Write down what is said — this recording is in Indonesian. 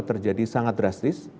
terjadi sangat drastis